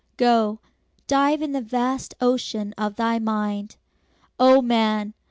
Go, dive in the vast ocean of thy mind, O man!